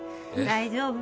大丈夫？